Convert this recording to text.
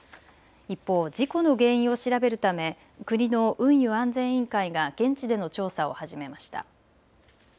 一方、事故の原因を調べるため国の運輸安全委員会が現地での調査を始めました。